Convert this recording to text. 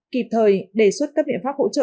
kịp thời đề xuất các biện pháp hỗ trợ